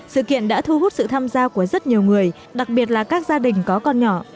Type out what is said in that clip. sự kiện đã thu hút sự tham gia của rất nhiều người đặc biệt là các gia đình có con nhỏ